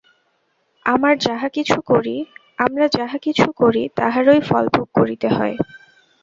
আমরা যাহা কিছু করি, তাহারই ফলভোগ করিতে হয়।